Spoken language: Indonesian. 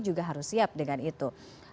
juga harus siap dengan itu